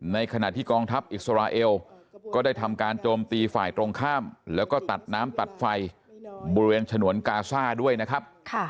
ในขณะที่กองทัพอิสราเอลก็ได้ทำการโจมตีฝ่ายตรงข้ามแล้วก็ตัดน้ำตัดไฟบริเวณฉนวนกาซ่าด้วยนะครับ